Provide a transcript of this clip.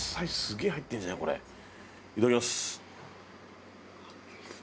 いただきます。